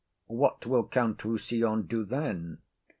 What will Count Rossillon do then?